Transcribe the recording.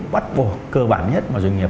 bắt buộc cơ bản nhất mà doanh nghiệp